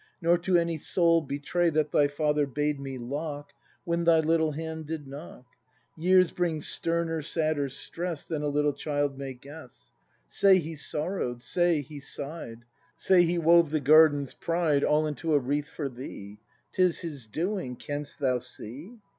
Nor to any soul betray That thy father bade me lock. When thy little hand did knock. Years bring sterner, sadder stress Than a little child may guess. Say, he sorrow'd, say, he sigh'd; Say, he wove the garden's pride All into a wreath for thee. 'Tis his doing! Canst thou see?